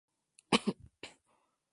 Recorrido por la plaza